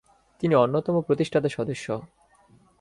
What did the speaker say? তিনি অন্যতম প্রতিষ্ঠাতা সদস্য।